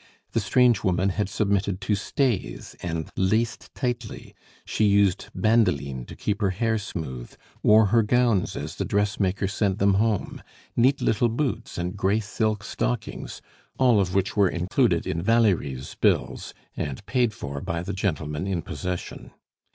The strange woman had submitted to stays, and laced tightly, she used bandoline to keep her hair smooth, wore her gowns as the dressmaker sent them home, neat little boots, and gray silk stockings, all of which were included in Valerie's bills, and paid for by the gentleman in possession.